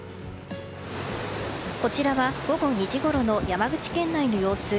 こちらは午後２時ごろの山口県内の様子。